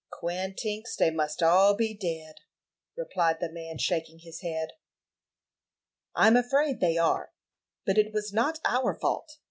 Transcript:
"Quin tinks dey must be all dead," replied the man, shaking his head. "I'm afraid they are; but it was not our fault.